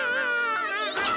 おじいちゃま！